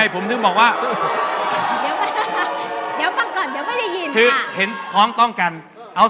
พบเจ้าแต่เรื่องเศรษฐกิจ